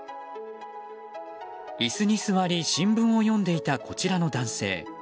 椅子に座り新聞を読んでいたこちらの男性。